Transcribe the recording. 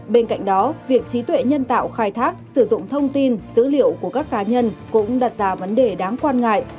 bên cạnh đó việc trí tuệ nhân tạo khai thác sử dụng thông tin dữ liệu của các cá nhân cũng đặt ra vấn đề đáng quan ngại